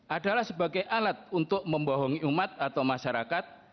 adalah sebagai alat untuk membohongi umat atau masyarakat